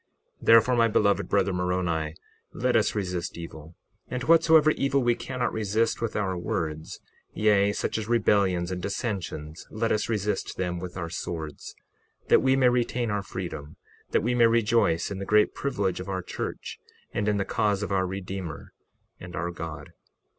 61:14 Therefore, my beloved brother, Moroni, let us resist evil, and whatsoever evil we cannot resist with our words, yea, such as rebellions and dissensions, let us resist them with our swords, that we may retain our freedom, that we may rejoice in the great privilege of our church, and in the cause of our Redeemer and our God.